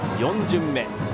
４巡目。